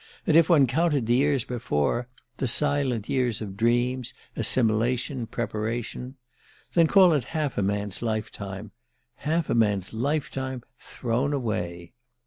And if one counted the years before, the silent years of dreams, assimilation, preparation then call it half a man's life time: half a man's life time thrown away!